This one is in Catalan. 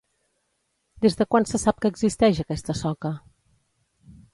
Des de quan se sap que existeix aquesta soca?